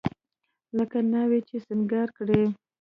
لکه ناوې چې سينګار کړې.